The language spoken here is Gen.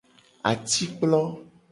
Atikplo.